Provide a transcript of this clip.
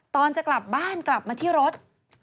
ตอนจะกลับบ้านกลับมาที่รถ